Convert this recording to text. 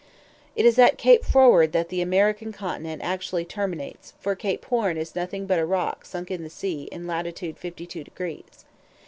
It is at Cape Froward that the American continent actually terminates, for Cape Horn is nothing but a rock sunk in the sea in latitude 52 degrees.